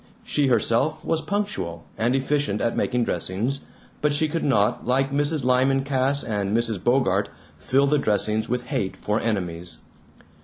She herself was punctual, and efficient at making dressings, but she could not, like Mrs. Lyman Cass and Mrs. Bogart, fill the dressings with hate for enemies.